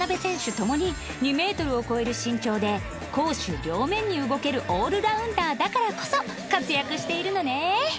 ともに２メートルを超える身長で攻守両面に動けるオールラウンダーだからこそ活躍しているのね